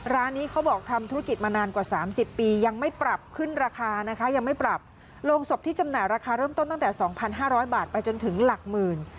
ร้านนี้เขาบอกทำธุรกิจมานานกว่าสามสิบปียังไม่ปรับขึ้นราคานะคะยังไม่ปรับโรงศพที่จำหน่ายราคาเริ่มต้นตั้งแต่๒๕๐๐บาทไปจนถึงหลักหมื่น